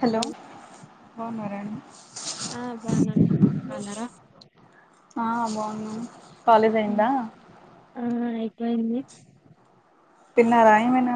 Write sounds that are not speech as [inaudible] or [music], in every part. hello బాగున్నారాఅండి ఆ బాగున్నానండి ర్ బాగున్నారా ఆ బాగున్నం ఆ అయిపోఇంది తిన్నారా ఏ మైనా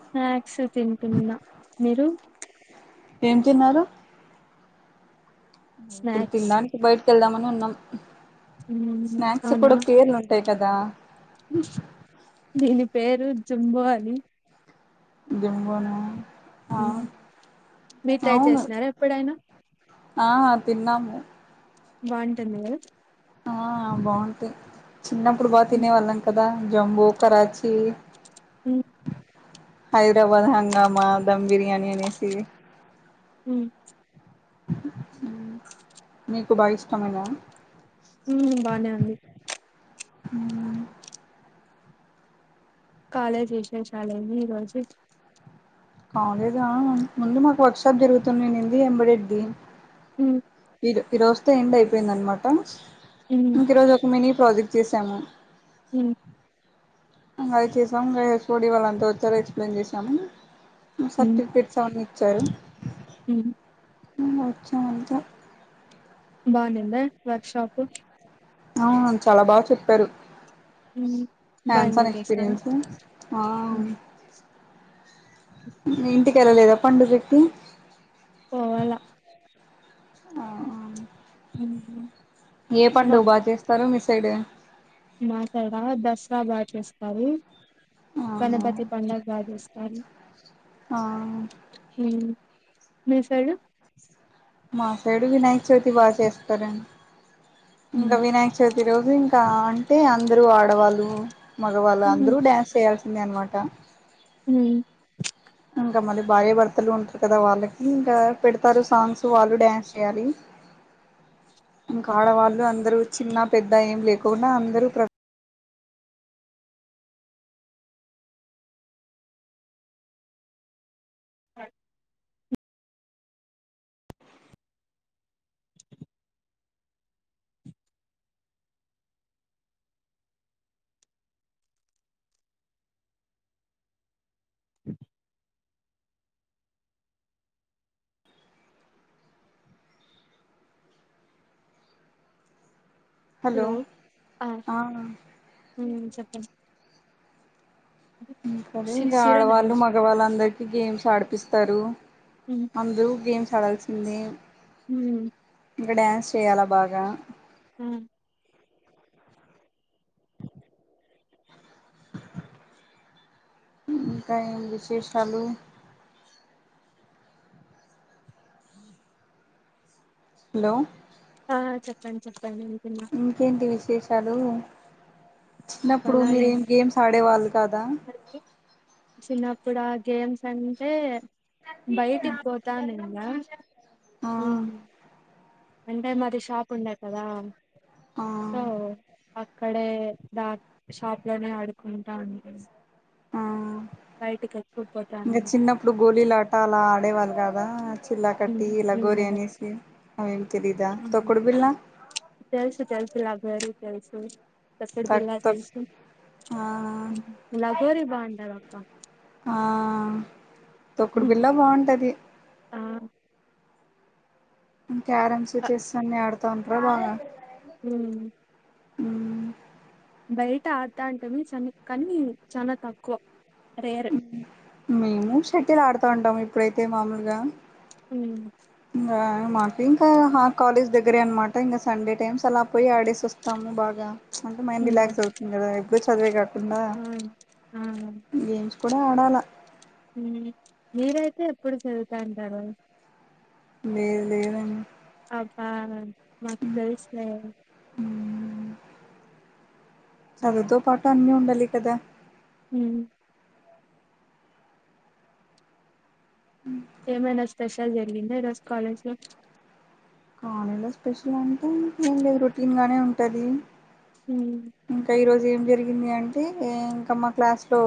స్నాక్స్ తింటున్నాా మీరు ఏం తిన్నారు ఇప్పుడు స్నాక్స్ తినడానికి బయటకి వెళ్దామని ఉన్నాం మ్మ్ స్నాక్స్ కూడా పేర్లు ఉం కదా దిని పేరు జుంబో అని జుంబోనా మ్ మీర్ ట్రై అవును చేసినారా ఎప్పుడైనా ఆ తిన్నాము బాగుంటుంది కదా ఆ బాగుంటాయ్ చిన్నప్పుడు బాగా మ్మ్ తినేవాళ్ళం కదా జంబూ కరాచీ హైదరాబాద్ హంగామా దమ్ బిర్యానీ అనేసి మ్ మీకు బాగా ఇష్టమేనా మ్ బానే అంది మ్ కాలేజ్ షాలైందిఈ రోజు కాలేజా ఆ ముందు మాకు వర్క్షషాప్ జరుగుతునింది ఎంబడేడ్ది మ్మ్ ఈ ఈ రోజుతో ఎండ్ అయిపోయింది అనమాట మ్మ్ ఇంక ఈరోజు ఒక మినీ ప్రాజెక్ట్ చేసాము మ్ అది చేసాం ఇంగ ఫ్ఒడి వాల్లాంతా ఒచ్చారు ఎక్స్ప్లెయిన్ చేసాము సర్టిఫికేట్స్ అవన్నీ ఇచ్చారు మ్ ఇంగోచ్చం అంతే బఉనిందా వర్క్ షాప్ అ చాలా బాగా చెప్పారు బాగా కాన్సర్ ఎంజాయ్ చేస్తారా ఎక్స్పీరియన్స్ ఆ మీ ఇంటికేళ్ళలేదా పండుగ కి పోవాల ఆ ఆ మ్ హ ఏ పండుగ బా చేస్తారు మీ సైడ్ మా సైడా దసరా బాగా చేస్తారు అవునా గణపతి పండగ బ చేస్తారు ఆ మ్ మీ సైడు మాసైడు వినాయక చవితి బా చేస్తారం ఇంకా ఉహు వినాయక చవితి రోజు ఇంకా అంటే అందరు ఆడవాళ్ళు మగవాళ్ళు ఉమ్ అందరూ డ్యాన్స్ చేయాల్సిందే అనమాట మ్ ఇంకా మళ్ళీ భార్యభర్తలు ఉంటారు కదా వాళ్ళకి ఇంకా పెడుతారు సాంగ్స్ వాళ్ళు డ్యాన్స్ చేయాలి ఇంకా ఆడవాళ్ళు అందరూ చిన్న పెద్ద ఏం లేకోకుండా అందరూ ప్ర అ అ హలో ఆ చెప్పండి ఇంకారే సిక్స్ ఇంకా జీరో నైన్ ఆడవాళ్ళు మగవాళ్ళు అందరికి గేమ్స్ ఆడిపిస్తారు అందరూ గేమ్స్ ఆడాల్సిందే హ ఇంకా డ్యాన్స్ చెయాలా బాగా హ ఇకానీ బసిి చాలుు హలో ఆ చెప్పండి చెప్పండి వింటున్నా ఇంకేంటి విశేషాలు చిన్నప్పుడు మీర ఏం గేమ్స్ ఆడేవాళ్ళు కదా అ చిన్నప్పుడు ఆ గేమ్స్ అంటే బయటికి పోతాేంగా ఆ అంటే మాది షాప్ ఉండ కదా ఆ సో అక్కడే దా షాప్ లోనే ఆడుకుంటాం ఆ ఇంకా పోతానిన్న చిన్నప్పుడు గోళలాట అలా ఆడేవాళ్ళు కదా చిల్లా ఉమ్, కట్టి ఇలా ఉమ్, గోరి అనేసి అవేం తెలీదా తొకుడు బిళ్ళ చల్సు తెల్సు భారు తెల్సు తకడ తక్ బిలా తక్ తెల్సు ఆ ఘోరి బాండప్ప ఆ తొక్కుడు పిల్ల బాగుంటది ఆ క్యారెమ్స్ ఆ, చెస్ అన్ని ఆడుతా ఉంటార బాగా ఉమ్, అ బయట ఆడతాంటమే చని కానీ చాలా తక్కువ రేర్ మేము షటి్యల్ ఆడుతా ఉంటాము ఇప్పుడైతే మామూలుగా ఉ మాకు ఇంకా కాలేజ్ దగ్గరే అనమాట ఇంకా సండే టైమ్స్ అలా పోయి ఆడేసి వస్తాము బాగా అంటే మైండ్ రిలాక్స్ అవుతుంది కదా ఎ్డో చదివే కాకుండా ఆ ఇంేం ప్పు ఆడాల మీరైతే ఎప్పుడు చదువుతా అంటారు లేేరు వేర పాబా మాకు చ ఇసులే చదుతో పాటు అన్నీ ఉండాలి కదా హ ఏమైనా స్పెషల్ జరిగింద రోజ కాలేజ్ లో ఆాలలో స్పెషల్ అంటే ఏం లేదు రొటీన్గానే ఉంటుంది ఉమ్, ఇంకా ఈరోజు ఏం జరిగింది అంటే ఇంకా మా క్లాస్లో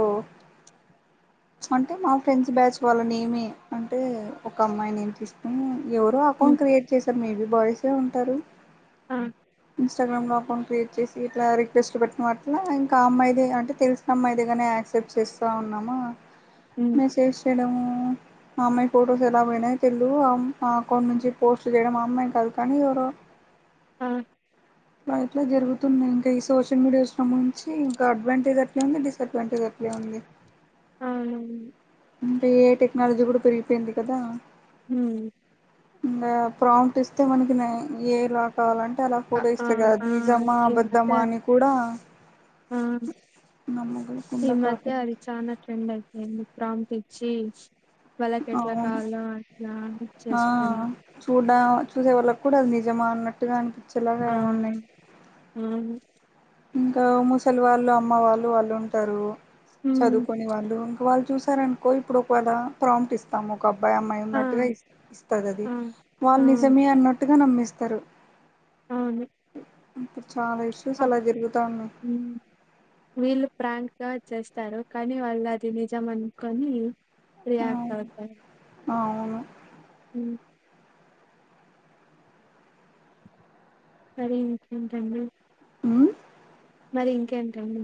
అంటే మా ఫ్రెండ్స్ బ్యాచ్ వాళ్ళని ఏమి అంటే ఒక అమ్మాయిని ఏం తీసుకుని ఎవరో ఉమ్, అకౌంట్ క్రియేట్ చేశారు మేబీ బాయ్సే ఉంటారు ఆ ఇన్స్టా్రామ్ లో అకౌంట్ క్రియేట్ చేసి ఇట్లా రెస్ట్ పెట్టిన మాట్ల ఇంకా అమ్మాయిది అంటే తెలిసిన అమ్మాయిదిే కానే యాక్సెప్ట్ చేస్తూ ఉన్నామా ఉమ్, మెసేజ్ చేయడము మా అమ్మాయి ఫొటోస్ ఎలా పోయినాయో తెలు అకౌంట్ నుంచి పోస్ట్ చేయడం మా అమ్మాయి కాదు కానీ ఎవరో ఆ అ ఇట్లా జరుగుతున్నాయి ఇంకా ఈ సోచ డి చూసం నుంచి ఇంకా అడ్వాంటేజ్ అట్లా ఉంది డిస్డ్వాంటేజ్ అట్లా ఉంది అవునవును అంటే ఏఐ టెక్నాలజీ కూడా పెరిగిపోయింది కదా హ్మ ఇంకా ప్రాంప్ట్ ఇస్తే మనకి ఏలా కావాలంటే అలా ఆ ఫోటో ఆ ఇస్తది కదా అది ఆ నిజామా ఈ మధ్య ఆపదమా అని కూడా ఆ ఈ నమ్మకుండా మధ్య కాకుండా అది చనా ట్రెండ్ అయిపోయింది ప్రాంప్ట్ ఇచ్చి వాళ్ళకి ఎట్లా అవును కావాలో అట్లా ఆ చేసుకొని చూడ చూసే వాళ్ళక్ కూడ అది నిజమా అన్నట్టుగా అనిపించేలాగా ఆ ఏ ఉన్నాయి అవును ఇంకా ముసలి వాళ్ళు అమ్మ వాళ్ళు వాళ్ళు ఉంటారు ఉమ్ చదువుకోని వాళ్ళు ఇంకా వాళ్ళు చూసారనుకో ఇప్పుడు ఒకవేళ ప్రామిట్ ఇస్తాము ఒక అబ్బాయి అమ్మాయి ఆ ఉన్నట్టుగా ఇస్ ఇస్తది ఆ వాళ్ళు ఆ నిజమే అన్నట్టుగా నమ్మేస్ స్తారు అవును ఇప్పుడు చాలా ఇష్యూస్ అప్ అలా జరుగుతానాయి వచ్చేస్తారు కానీ వాళ్ళు అది నిజం అనుకొని రియాక్ట్ అవుతారు ఆ అవును హ్మ సరే ఇంకేంటి అండి ఉమ్ మరి ఇంకేంటండి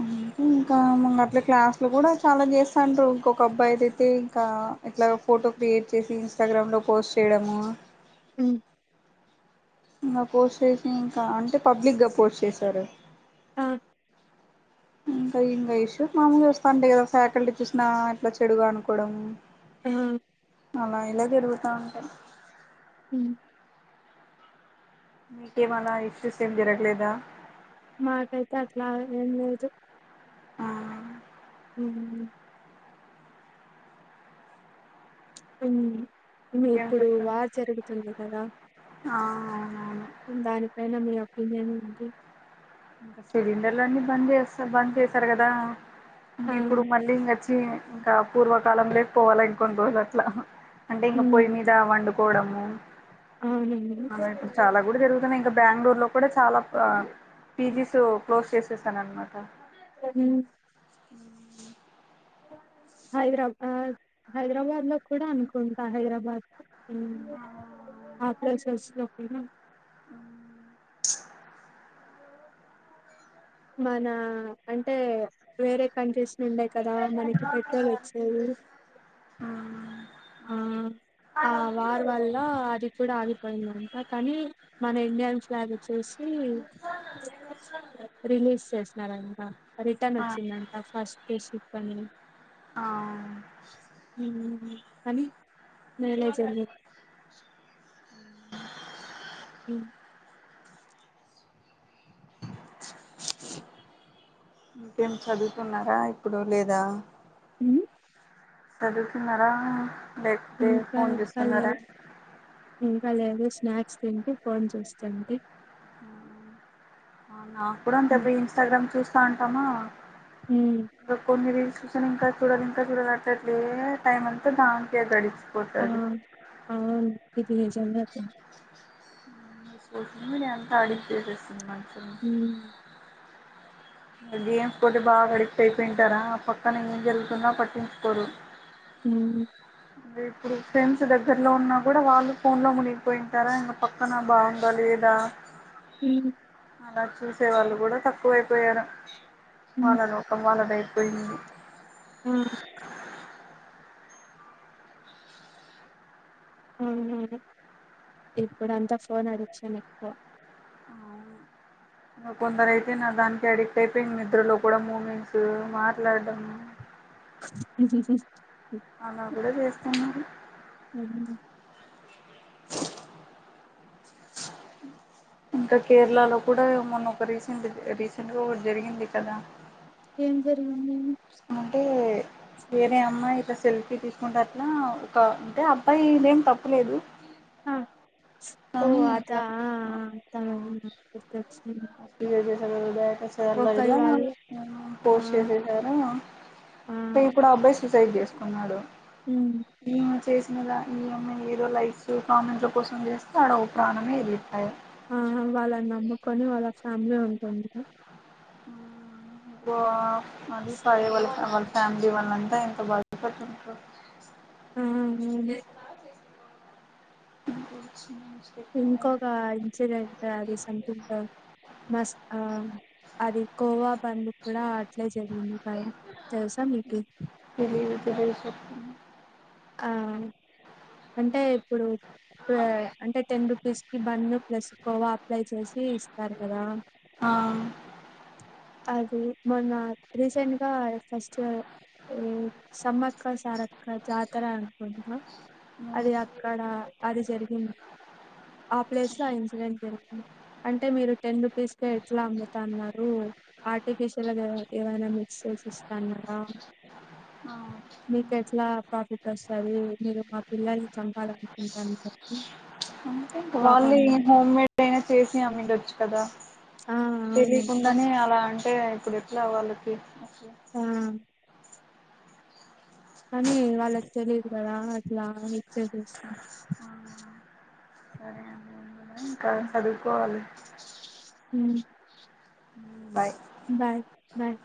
ఆ హ్మ్ ఇంకా మొన్న అట్లా క్లాస్ లో కూడా చాలా చేస్తాండ్రు ఇంకొక అబ్బాయిది అయితే ఇంకా ఇట్లా ఫోటో క్రియేట్ చేసి ఇన్స్టాగ్రామ్లో పోస్ట్ చేయడము హ్మ్ ఇంకా పోస్ట్ చేసి ఇంకా అంటే పబ్లిక్ గా పోస్ట్ చేసారు ఆ ఇంకా ఇంకా ఇష్యూస్ మామూలే వస్తుంటాయి కదా ఫ్యాకల్టీ కృష్ణ ఇట్లా చెడుగా అనుకోవడం హ్మ్ అలా ఇలా తిరుగుతటాయి హ్మ్ మెకేమన్న ఇష్యూస్ ఏం జరగలేదా మాకైతే అట్లా ఏం లేదు ఆ హ్మ హ్మ ఇంకా ఇంకేం ఇప్పుడు వార్ జరుగుతుంది కదా హా అవును నీ నేమ్ ఏంటి ఇంకా సిలిండర్లు అన్ని బంద్ చేస్త బంద్ చేసారు కదా ఇంక ఆ ఇప్పుడు మళ్ళీ ఇంకచ్చ ఇంకా పూర్వకాలంలోకి పోవాలి ఇంకోన్ని రోజులు అట్లా అంటే ఇంకా హ్మ్ పొయి మీద వండు కోవడము అవునండి ఆ ఇపుడు చాలా కూడా జరుగు ఇంకా బెంగళూరు లో కూడా చాలా పీజీస్ క్లోజ్ చేసేసాను అనమాట హ్మ్ హ్మ హైదరాబాద్ హైదరాబాద్ లో కూడా అనుకుంటా హైదరాబాద్ ఆ ప్లేసెస్ లో కూడా మన అంటే వేరే కంట్రీస్ నుండి కదా మనకి పెట్రోల్ వచ్చేది హా ఆ హా ఆ వారి వల్ల అది కూడా ఆగిపోయిందంట కానీ మన ఇండియాన్స్ ఫ్లాగ్ చూసి రిలీజ్ చేసినారంట రిటర్న్ ఆ వచ్చిందంట ఫస్ట్ అని ఆ మ్మ్ కానీ మ్యారేజ్ అని హ ఇంకేం చదువుతున్నారా ఇప్పుడు లేదా చదువుతున్నారా లేకపోతే ఇంకా ఫోన్ ఇంకా చుస్తున్నారా లేదు అండి ఇంకా లేదు స్నాక్స్ తింటూ ఫోన్ చేస్తున్న అండి అవునా నేను కూడా అంతేబ్బ ఇన్స్టాగ్రామ్ చూస్తా ఉంటామా ఉమ్ ఇం కొన్ని రీల్స్ చూసాని ఇంకా చూడదు ఇంకా కూడా కట్టలేదే టైమ్ అంతా దానికే అయ్యితది ఆ ఆ ఇది నిజమే అండి సోషల్ మీడియా అంత అడెక్ట్ చేసేసింది మనుషులని ఉమ్ గేమ్స్ పోతే బాగా అడిక్ట్ అయిపోయింటారా ఆ పక్కన ఏం జరుగుతున్నా పట్టించుకోరు హమ్మ్ ే ఇప్పుడు ఫ్రెండ్స్ దగ్గరలో ఉన్నా కూడా వాళ్ళు ఫోన్ లో మునిగిపోయింటారా ఇంకా పక్క పన బాగుందా లేదా అలా చూసే వాళ్ళు కూడా తక్కువైపో పోయాడం ఉమ్ వాళ్ళ లోకం వాళ్లది అయిపోయింది మ్మ్ ఆ ఇప్పుడుంతా ఫోన్ అడిక్షాన్ ఎక్కువ నా కొందరు అయితే నా దానికి అడిక్ట్ అయిపోయి నిద్రలో కూడా మూమెంట్స్ మాట్లాడడంము హ్మ్ అలా కూడా చేస్తున్నారు మ్మ్ ఇంకా కేరళలో కూడా మొన్న ఒక రీసెంట్ రీసెంట్ గా ఒకటి జరిగింది కదా ఏం జరిగింది అంటే వేరే అమ్మాయి ఇలా సెల్ఫీ తీసుకుంటే అట్లా ఒక అంటే అబ్బాయి ఇదేం తప్పులేదు ఆ ఓ కానీ అదా ఇట్లా ఆ ఆ తెలుసు నాకు [unintelligible] ార్లాద ఆ పోస్ట్ చేసేసారా ఆ ఇప్పుడు అబ్బాయి సుసైడ్ చేసుకున్నాడు ఉమ్మ్ ఈమె చేసినదా ఈవమ్మీ ఏదో లైక్స్ కామెంట్ల కోసం చేస్తే ఆడ ఒక ప్రాణమే ఎగిరిపాయి ఆ వాళ్ళని నమ్ముకొని వాళ్ళ ఫ్యామిలీ ఉంటుంది [unintelligible] ఫ్యామిలీ వాళ్ళంతా ఎంత బాధపడుంటారో మ్మ్ ఇదే [inaudible] ఇంకొక ఇన్సిడెంట్ అది సంథింగ్ మస్ అది కోవా బన్ కూడా అట్లే జరిగింది కద తెలుసా మీకు తెలీదు తెలీదు ఆ అంటే ఇప్పుడు అంటే టెన్ రూపీస్ కి బన్ను ప్లస్ కోవా అప్లై చేసి ఇస్తారు కదా ఆ అది మొన్న రీసెంట్ గా ఫస్ట్ సమ్మక్క సారక్క జాతర అనుకుంటా అది అక్కడ అది జరిగింది ఆ ప్లేస్ లో ఆ ఇన్సిడెంట్ జరిగింది అంటే మీరు టెన్ రూపీస్ కే ఎట్లా అమ్ముతాన్నారు ఆర్టిఫిషియల్గా ఏమైనా మిక్సస్ చేసిస్తాన్నారా అవు మీకు ఎట్లా ప్రాఫిట్ వస్తుంది మీరు మా పిల్లల్ చంపాలనుకుంటను వాళ్ళు హోమ్ మేడ్ అయినా చేసి అమిడొచ్చు కదా ఆ అవును కానీ తెలియకుండానే అలా అంటే ఇప్పుడు ఎట్లా వాళ్ళకి ఆ కానీ వాళ్ళకి తెలీయదు కదా అట్లా ఇచ్చే సరే అండి ఇంకా చదువుకోవాలి అ బాయ్ బాయ్ బాయ్